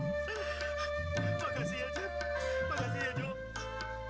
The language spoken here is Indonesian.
makasih ya jep makasih ya jok